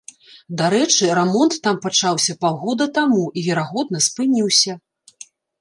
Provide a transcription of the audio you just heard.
Дарэчы, рамонт там пачаўся паўгода таму і, верагодна, спыніўся.